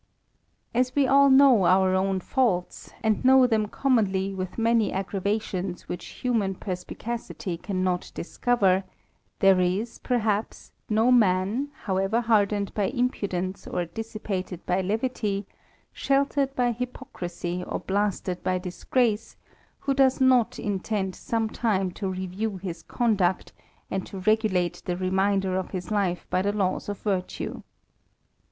As we all know our own faults, and know them commonly ^^"Sth many a^ravations which human perspicacity cannot ^ iscover, there is, perhaps, no man, however hardened by *"*ipudence or dissipated by levity, sheltered by hypocrisy ^^■fc blasted by disgrace, who does not intend some time to ?|^wiew his conduct, and to regulate the remainder of his life * *J the laws of virtue.